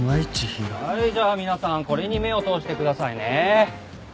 じゃあ皆さんこれに目を通してくださいね。